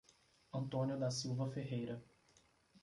Antônio da Silva Ferreira